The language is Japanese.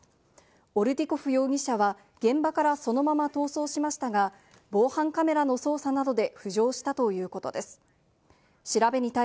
オルティコフ容疑者は現場からそのまま逃走しましたが、防犯カメ関東のお天気です。